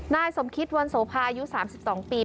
นายสมคิตวันโสภาอายุ๓๒ปี